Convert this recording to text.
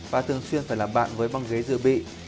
và thường xuyên phải làm bạn với băng ghế dự bị